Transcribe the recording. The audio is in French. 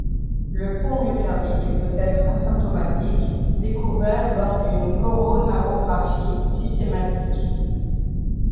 Le pont myocardique peut être asymptomatique, découvert lors d'une coronarographie systématique.